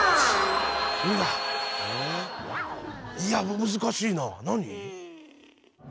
いや難しいな何？